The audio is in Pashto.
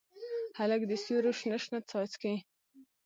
هلک د سیورو شنه، شنه څاڅکي